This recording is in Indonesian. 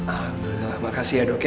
alhamdulillah makasih ya dok ya